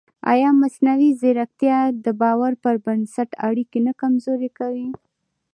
ایا مصنوعي ځیرکتیا د باور پر بنسټ اړیکې نه کمزورې کوي؟